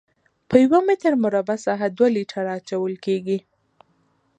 په یو متر مربع ساحه دوه لیټره اچول کیږي